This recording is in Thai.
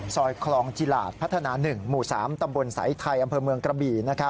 ซอยคลองจิลาดพัฒนา๑หมู่๓ตำบลสายไทยอำเภอเมืองกระบี่